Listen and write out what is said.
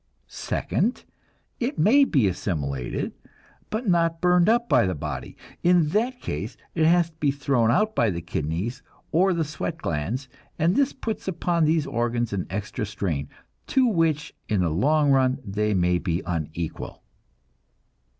Second, it may be assimilated, but not burned up by the body. In that case it has to be thrown out by the kidneys or the sweat glands, and this puts upon these organs an extra strain, to which in the long run they may be unequal.